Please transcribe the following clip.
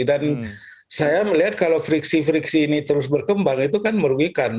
dan saya melihat kalau friksi friksi ini terus berkembang itu kan merugikan